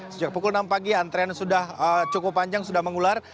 sejak pukul enam pagi antrean sudah cukup panjang sudah mengular